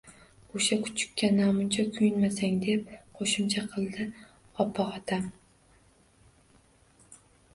– O‘sha kuchukka namuncha kuyunmasang! – deb qo‘shimcha qildi opog‘otam